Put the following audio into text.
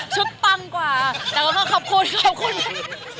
ชุดปังกว่าแต่ก็คำคุณค่ะแพงจ้องมาที่ชุดก่อนค่ะ